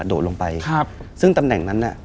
โดดลงไปซึ่งตำแหน่งนั้นเนี่ย